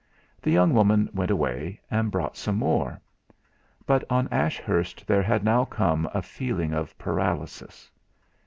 The young woman went away, and brought some more. But on Ashurst there had now come a feeling of paralysis.